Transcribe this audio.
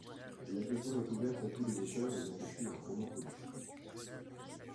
L'adhésion est ouverte à tous les auteurs ayant écrit un roman policier.